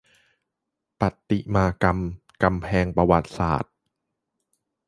ประติมากรรมกำแพงประวัติศาสตร์